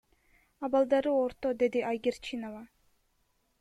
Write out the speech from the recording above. Абалдары орто, — деди Айгерчинова.